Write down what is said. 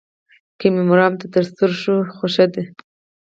که مې مرام تر سره شو خو ښه.